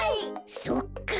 そっか！